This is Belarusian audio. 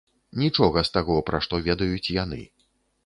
Нічога з таго, пра што ведаюць яны.